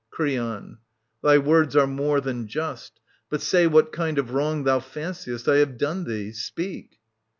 Creon. Thy words are more than just. But say what kind Of wrong thou fanciest I have done thee. Speak.